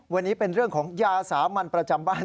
วันนี้เป็นเรื่องของยาสามัญประจำบ้าน